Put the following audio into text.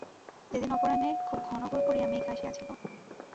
সেদিন অপরাহ্নে খুব ঘনঘোর করিয়া মেঘ আসিয়াছিল।